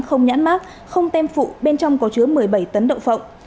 không nhãn mát không tem phụ bên trong có chứa một mươi bảy tấn đậu phộng